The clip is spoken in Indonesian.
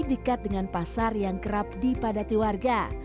dekat dengan pasar yang kerap dipadati warga